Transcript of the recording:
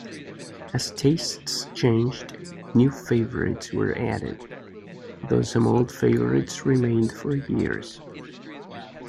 As tastes changed, new favourites were added, though some old favourites remained for years.